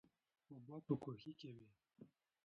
اوبه په کوهي کې وې.